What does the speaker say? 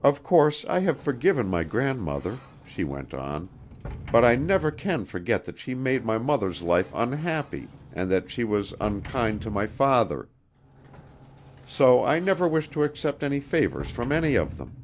"Of course I have forgiven my grandmother," she went on, "but I never can forget that she made my mother's life unhappy and that she was unkind to my father. So I never wish to accept any favors from any of them."